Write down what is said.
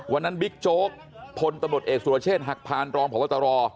บิ๊กโจ๊กพลตำรวจเอกสุรเชษฐหักพานรองพบตร